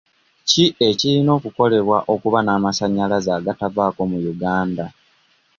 Ki ekirina okukolebwa okuba n'amasannyalaze agatavaavaako mu Uganda?